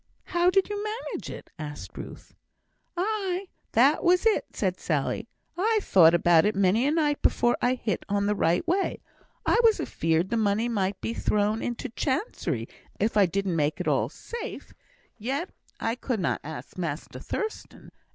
"How did you manage it?" asked Ruth. "Aye, that was it," said Sally; "I thowt about it many a night before I hit on the right way. I was afeard the money might be thrown into Chancery, if I didn't make it all safe, and yet I could na' ask Master Thurstan.